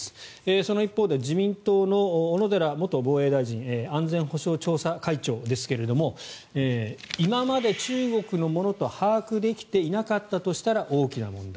その一方で自民党の小野寺元防衛大臣安全保障調査会長ですが今まで中国のものと把握できていなかったとしたら大きな問題。